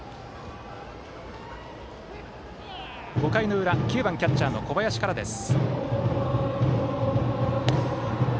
５回の裏の攻撃は９番キャッチャーの小林からです。